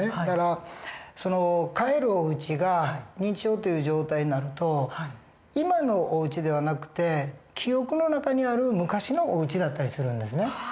だからその帰るおうちが認知症という状態になると今のおうちではなくて記憶の中にある昔のおうちだったりするんですね。